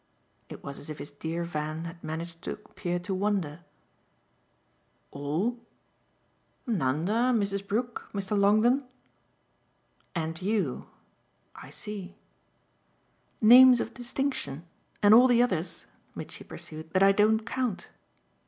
It was as if his dear Van had managed to appear to wonder. "'All'?" "Nanda, Mrs. Brook, Mr. Longdon !" "And you. I see." "Names of distinction. And all the others," Mitchy pursued, "that I don't count."